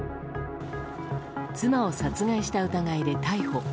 妻を殺害した疑いで逮捕。